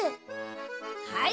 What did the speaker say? はい。